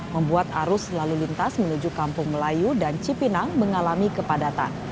membuat arus lalu lintas menuju kampung melayu dan cipinang mengalami kepadatan